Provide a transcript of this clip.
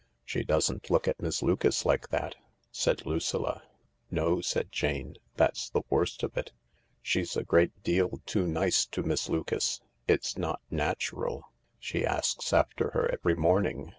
" She doesn't look at Miss Lucas like that," said Lucilla, "No," said Jane, " that's the worst of it. She's a great deal too nice to Miss Lucas. It's not natural. She asks after her every morning.